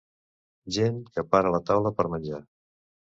Gent que para la taula per menjar.